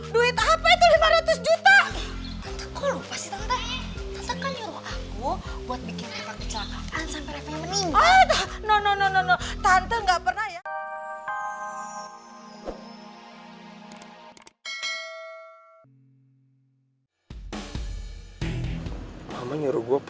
duit apa itu lima ratus juta